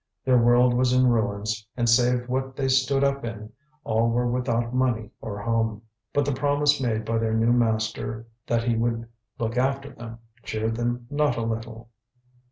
Their world was in ruins, and save what they stood up in, all were without money or home. But the promise made by their new master that he would look after them cheered them not a little.